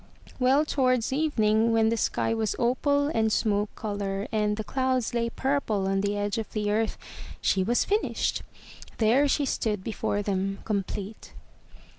Well, towards evening, when the sky was opal and smoke color and the clouds lay purple on the edge of the earth, she was finished. There she stood before them complete.